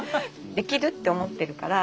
できるって思ってるから。